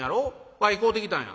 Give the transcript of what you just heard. わい買うてきたんや。